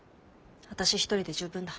私一人で十分だ。